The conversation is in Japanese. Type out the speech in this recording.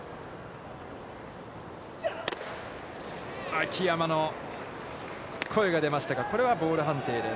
秋山の声が出ましたが、これはボール判定です。